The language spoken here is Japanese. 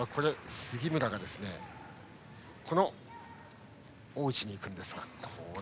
杉村が、大内に行くんですが。